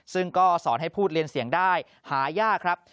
ซึ่งก็สอนให้พูดเรียนเสียงได้หายากครับ